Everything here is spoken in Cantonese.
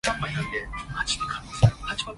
乃利用洛書軌跡